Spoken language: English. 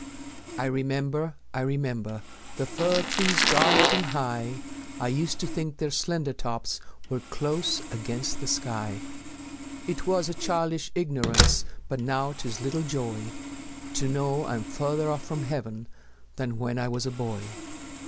I remember, I remember The fir trees dark and high; I used to think their slender tops Were close against the sky: It was a childish ignorance, But now 'tis little joy To know I'm farther off from Heaven Than when I was a boy.